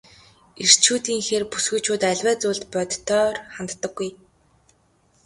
Эрчүүдийнхээр бүсгүйчүүд аливаа зүйлд бодитоор ханддаггүй.